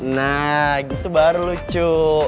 nah gitu baru lucu